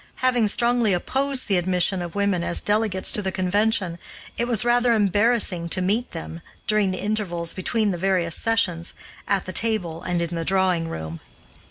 Having strongly opposed the admission of women as delegates to the convention it was rather embarrassing to meet them, during the intervals between the various sessions, at the table and in the drawing room.